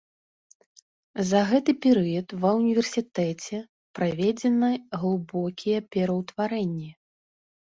За гэты перыяд ва ўніверсітэце праведзены глыбокія пераўтварэнні.